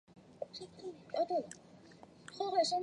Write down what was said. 是寒士韩翃与李生之婢妾柳氏的故事。